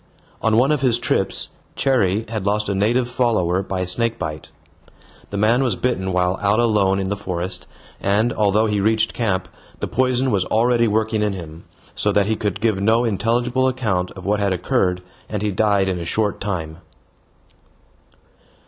On one of his trips Cherrie had lost a native follower by snake bite. The man was bitten while out alone in the forest, and, although he reached camp, the poison was already working in him, so that he could give no intelligible account of what had occurred, and he died in a short time.